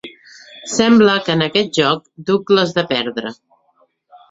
Sembla que en aquest joc duc les de perdre.